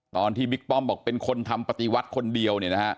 ตอนที่บิ๊กป้อมบอกเป็นคนทำปฏิวัติคนเดียว